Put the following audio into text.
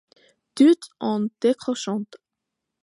Toutes en décrochent.